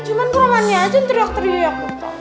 cuman gue amannya aja yang teriak teriak